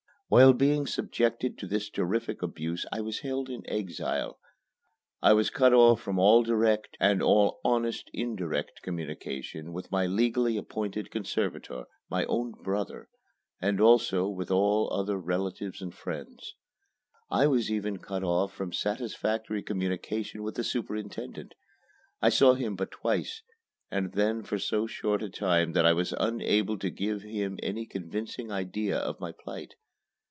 While being subjected to this terrific abuse I was held in exile. I was cut off from all direct and all honest indirect communication with my legally appointed conservator my own brother and also with all other relatives and friends. I was even cut off from satisfactory communication with the superintendent. I saw him but twice, and then for so short a time that I was unable to give him any convincing idea of my plight.